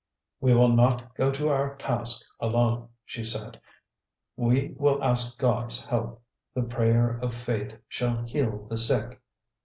"We will not go to our task alone," she said, "we will ask God's help. The prayer of faith shall heal the sick."